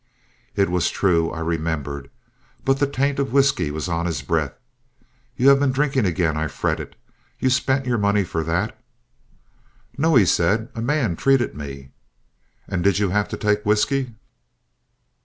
It was true; I remembered. But the taint of whisky was on his breath. "You have been drinking again," I fretted. "You spent your money for that " "No," said he; "a man treated me." "And did you have to take whisky?"